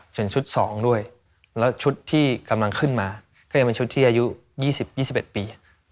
ชุด๒ด้วยแล้วชุดที่กำลังขึ้นมาก็ยังเป็นชุดที่อายุ๒๐๒๑ปี